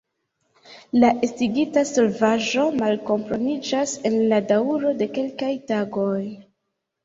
La estigita solvaĵo malkomponiĝas en la daŭro de kelkaj tagoj.